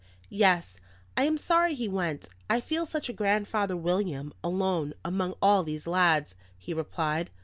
"Yes, I am sorry he went; I feel such a Grandfather William, alone among all these lads," he replied.